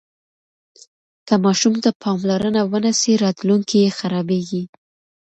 که ماشوم ته پاملرنه ونه سي راتلونکی یې خرابیږي.